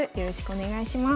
お願いします。